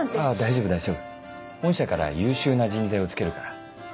あ大丈夫大丈夫本社から優秀な人材を付けるから。